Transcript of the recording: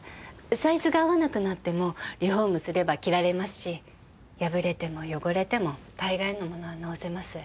サイズが合わなくなってもリフォームすれば着られますし破れても汚れても大概のものは直せます。